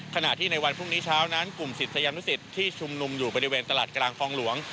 ขณะที่ในวันพรุ่งนี้เช้านั้นกลุ่มศิษยานุสิตที่ชุมนุมอยู่บริเวณตลาดกลางคลองหลวง